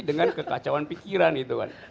dengan kekacauan pikiran itu kan